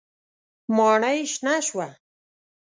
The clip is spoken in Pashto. ماڼۍ شنه شوه.